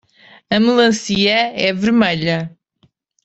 A melancia é vermelha.